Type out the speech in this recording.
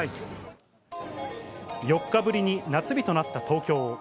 ４日ぶりに夏日となった東京。